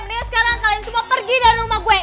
nih sekarang kalian semua pergi dari rumah gue